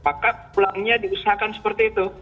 maka pulangnya diusahakan seperti itu